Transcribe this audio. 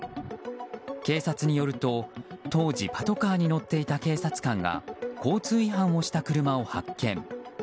警察によると当時パトカーに乗っていた警察官が交通違反をした車を発見。